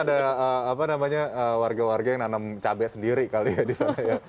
jadi udah mungkin ada warga warga yang nanam cabai sendiri kali ya disana ya